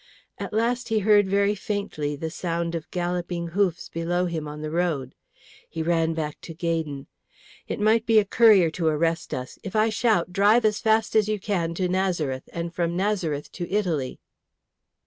At last he heard very faintly the sound of galloping hoofs below him on the road. He ran back to Gaydon. "It might be a courier to arrest us. If I shout, drive fast as you can to Nazareth, and from Nazareth to Italy."